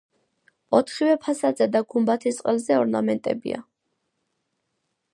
ოთხივე ფასადზე და გუმბათის ყელზე ორნამენტებია.